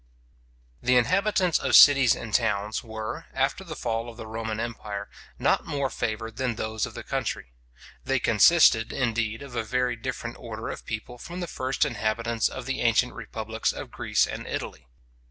The inhabitants of cities and towns were, after the fall of the Roman empire, not more favoured than those of the country. They consisted, indeed, of a very different order of people from the first inhabitants of the ancient republics of Greece and Italy.